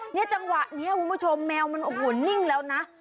จังหวะนี้คุณผู้ชมแมวมันโอ้โหนิ่งแล้วนะ